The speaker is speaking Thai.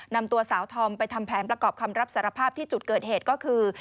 นำตัวสาวธอมไปทำแผนประกอบคำรับสารภาพที่จุดเกิดเหตุก็คือ